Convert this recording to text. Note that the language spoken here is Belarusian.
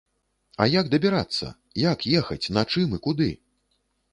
А як дабірацца, як ехаць, на чым і куды?